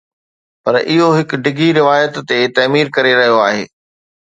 پر اهو هڪ ڊگهي روايت تي تعمير ڪري رهيو آهي